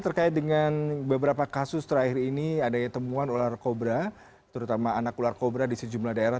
terkait dengan beberapa kasus terakhir ini adanya temuan ular kobra terutama anak ular kobra di sejumlah daerah